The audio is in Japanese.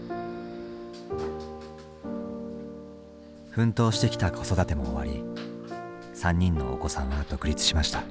奮闘してきた子育ても終わり３人のお子さんは独立しました。